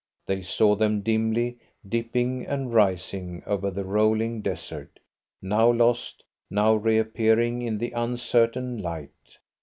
They saw them dimly, dipping and rising over the rolling desert, now lost, now reappearing in the uncertain light.